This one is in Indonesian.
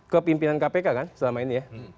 ke pimpinan kpk kan selama ini ya